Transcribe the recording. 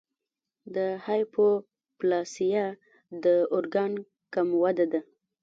د هایپوپلاسیا د ارګان کم وده ده.